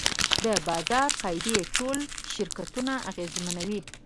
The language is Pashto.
د بازار قاعدې ټول شرکتونه اغېزمنوي.